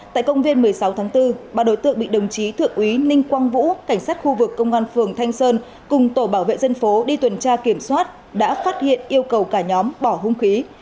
tại công viên một mươi sáu tháng bốn ba đối tượng bị đồng chí thượng úy ninh quang vũ cảnh sát khu vực công an phường thanh sơn cùng tổ bảo vệ dân phố đi tuần tra kiểm soát đã phát hiện yêu cầu cả nhóm bỏ hung khí